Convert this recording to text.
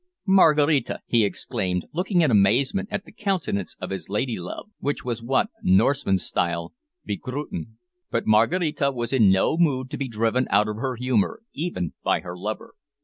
"Maraquita!" he exclaimed, looking in amazement at the countenance of his lady love, which was what Norsemen style "begrutten." But Maraquita was in no mood to be driven out of her humour, even by her lover.